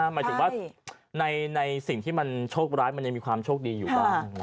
หมายถึงว่าในสิ่งที่มันโชคร้ายมันยังมีความโชคดีอยู่บ้าง